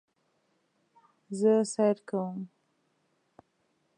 زه سیر کوم